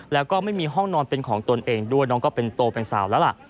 แล้วก็ไม่มีห้องนอนเป็นของตนเองด้วยน้องก็เป็นโตเป็นสาวแล้วล่ะ